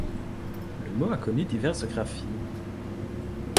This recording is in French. Le mot a connu diverses graphies.